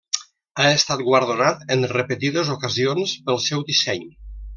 Ha estat guardonat en repetides ocasions pel seu disseny.